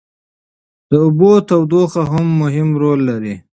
د اوبو تودوخه هم مهم رول لري.